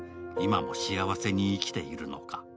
今も幸せに生きているのか。